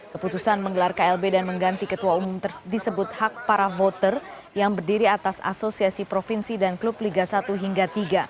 keputusan menggelar klb dan mengganti ketua umum disebut hak para voter yang berdiri atas asosiasi provinsi dan klub liga satu hingga tiga